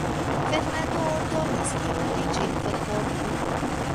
Fernando ordonis, ke oni ĝin forportu.